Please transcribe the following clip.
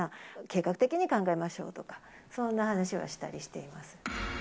計画的に考えましょうみたいな、そんな話はしたりしています。